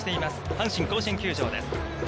阪神甲子園球場です。